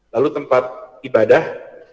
lalu tempat ibadah